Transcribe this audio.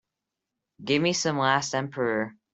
give me some Last Emperor